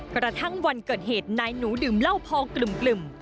กระทั่งวันเกิดเหตุนายหนูดื่มเหล้าพอกลึ่ม